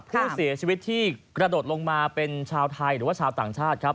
ผู้เสียชีวิตที่กระโดดลงมาเป็นชาวไทยหรือว่าชาวต่างชาติครับ